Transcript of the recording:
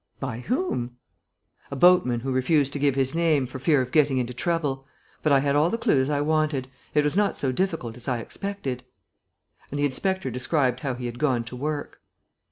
"By whom?" "A boatman who refused to give his name, for fear of getting into trouble. But I had all the clues I wanted. It was not so difficult as I expected." And the inspector described how he had gone to work.